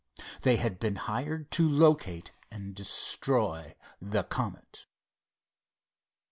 They had been hired to locate and destroy the Comet.